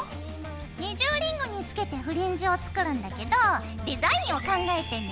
二重リングにつけてフリンジを作るんだけどデザインを考えてね。